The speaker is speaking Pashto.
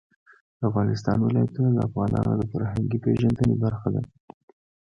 د افغانستان ولايتونه د افغانانو د فرهنګي پیژندنې برخه ده.